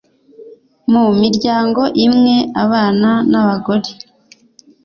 mu miryango imwe, abana n'abagore